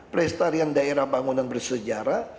perestarian daerah bangunan bersejarah